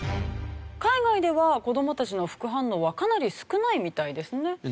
海外では子どもたちの副反応はかなり少ないみたいですね。